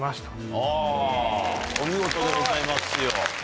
はぁお見事でございますよ。